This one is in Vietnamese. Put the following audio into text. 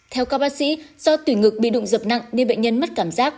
theo các bác sĩ do tủy ngực bị đụng dập nặng nên bệnh nhân mất cảm giác